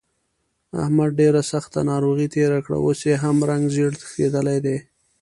احمد ډېره سخته ناروغۍ تېره کړه، اوس یې هم رنګ زېړ تښتېدلی دی.